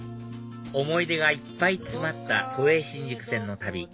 思い出がいっぱい詰まった都営新宿線の旅